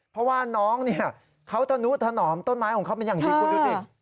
เพราะว่าน้องเนี่ยเขาถนุษย์ถนอมต้นไม้ของเขาเป็นอย่างจริง